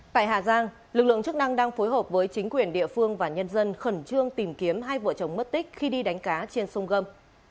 tại hà giang lực lượng chức năng đang phối hợp với chính quyền địa phương và nhân dân khẩn trương tìm kiếm hai vợ chồng mất tích khi đi đánh cá trên sông gâm